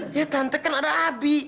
ya ya tante kan ada abi